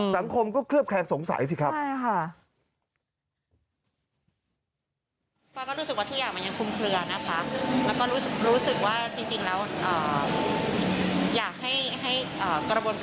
สังคมก็เคลือบแขนสงสัยสิครับครับ